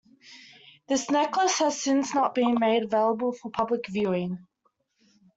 This necklace has since not been made available for public viewing.